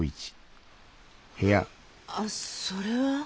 あそれは？